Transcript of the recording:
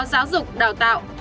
giáo dục đào tạo